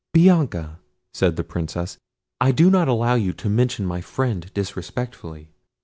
"Bianca," said the Princess, "I do not allow you to mention my friend disrespectfully.